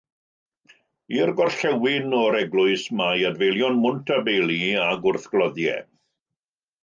I'r gorllewin o'r eglwys mae adfeilion mwnt a beili a gwrthgloddiau.